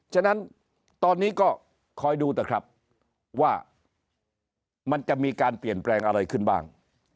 ฉะนั้นตอนนี้ก็คอยดูนะครับว่ามันจะมีการเปลี่ยนแปลงอะไรขึ้นบ้าง